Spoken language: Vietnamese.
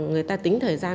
người ta tính thời gian